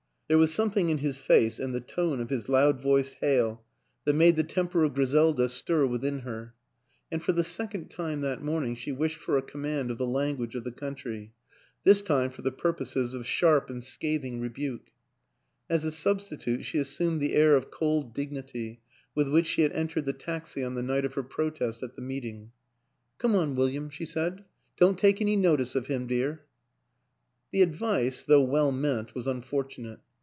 There was something in his face and the tone of his loud voiced hail that made WILLIAM AN ENGLISHMAN 83 the temper of Griselda stir within her; and for the second time that morning she wished for a command of the language of the country this time for the purposes of sharp and scathing re buke. As a substitute she assumed the air of cold dignity with which she had entered the taxi on the night of her protest at the meeting. 14 Come on, William," she said. " Don't take any notice of him, dear." The advice, though well meant, was unfortu nate.